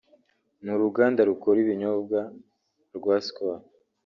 n’uruganda rukora ibinyobwa rwa Skol